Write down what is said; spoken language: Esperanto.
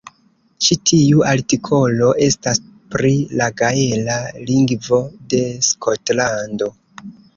Ĉi tiu artikolo estas pri la gaela lingvo de Skotlando.